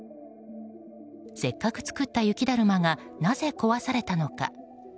せっかく作った雪だるまがなぜ壊されたのか。